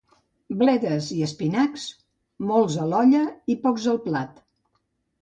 Bledes i espinacs, molts a l'olla i pocs al plat.